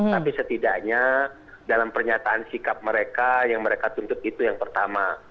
tapi setidaknya dalam pernyataan sikap mereka yang mereka tuntut itu yang pertama